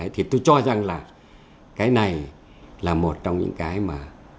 thì tôi cho rằng là cái này là một trong những cái mà